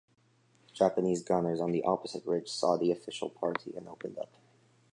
Japanese gunners on the opposite ridge saw the official party and opened up.